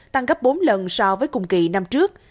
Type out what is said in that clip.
tăng gấp bốn lần so với cùng kỳ năm trước